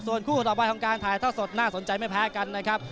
ส่วนคู่ต่อไปของการถ่ายทอดสดน่าสนใจไม่แพ้กันนะครับ